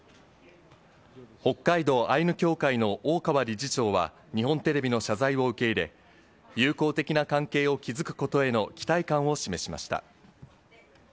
北海道アイヌ協会の大川理事長は日本テレビの謝罪を受け入れ、友好的な関係を築くことへの期待感を示しました。